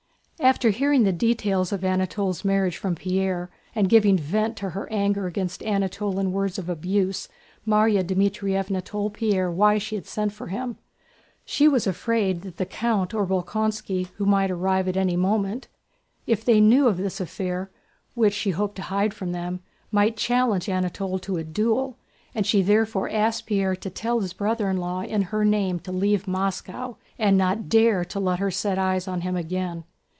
After hearing the details of Anatole's marriage from Pierre, and giving vent to her anger against Anatole in words of abuse, Márya Dmítrievna told Pierre why she had sent for him. She was afraid that the count or Bolkónski, who might arrive at any moment, if they knew of this affair (which she hoped to hide from them) might challenge Anatole to a duel, and she therefore asked Pierre to tell his brother in law in her name to leave Moscow and not dare to let her set eyes on him again.